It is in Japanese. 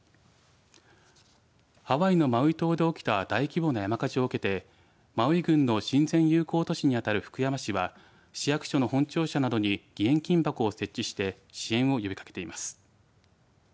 ハワイのマウイ島で起きた大規模な山火事を受けてマウイ郡の親善友好都市に当たる福山市は市役所の本庁舎などに義援金箱を設置して支援を呼びかけています。